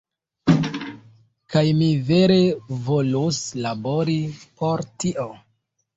Kaj mi vere volus labori por tio.